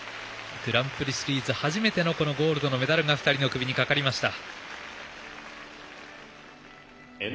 グランプリシリーズ初めてのゴールドのメダルが２人の首にかかりました。